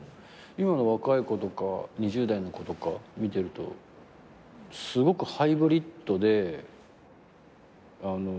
今の若い子とか２０代の子とか見てるとすごくハイブリッドで頼もしい。